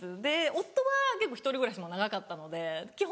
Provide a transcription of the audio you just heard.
夫は結構１人暮らしも長かったので基本